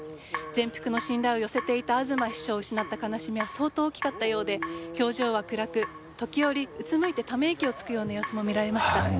全幅の信頼を寄せていた東秘書を失った悲しみは相当大きかったようで表情は暗く時折うつむいてため息をつくような様子も見られました。